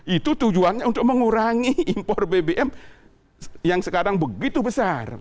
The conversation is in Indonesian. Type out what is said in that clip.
itu tujuannya untuk mengurangi impor bbm yang sekarang begitu besar